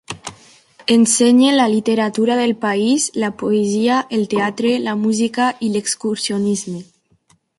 Ensenye la literatura del país, la poesia, el teatre, la música i l'excursionisme.